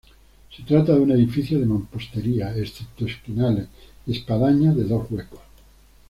Se trata de un edificio de mampostería, excepto esquinales y espadañas de dos huecos.